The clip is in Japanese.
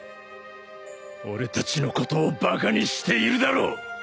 俺たちのことをバカにしているだろう！